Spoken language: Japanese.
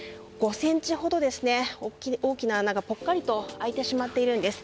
５ｃｍほど大きな穴がぽっかりと開いてしまっているんです。